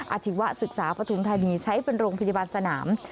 อาชีวศึกษาปฐุมธานีใช้เป็นโรงพยาบาลสนาม